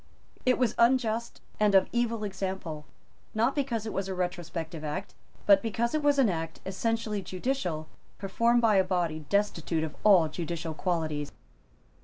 It was unjust and of evil example, not because it was a retrospective Act, but because it was an act essentially judicial, performed by a body destitute of all judicial qualities.